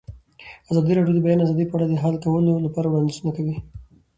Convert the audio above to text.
ازادي راډیو د د بیان آزادي په اړه د حل کولو لپاره وړاندیزونه کړي.